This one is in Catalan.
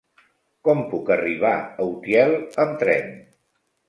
Com puc arribar a Utiel amb tren?